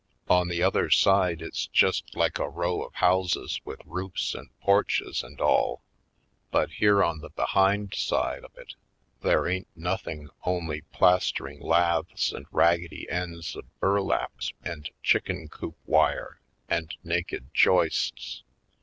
On the other side it's just like a row of houses with roofs and porches and all, but here on the behind side of it there ain't nothing only plastering laths and rag gedy ends of burlaps and chicken coop wire and naked joists.